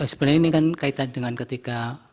sebenarnya ini kan kaitan dengan ketika